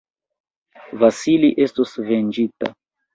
Vasili estos venĝita!